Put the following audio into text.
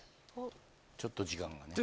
ちょっと時間がね。